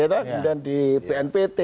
kemudian di bnpt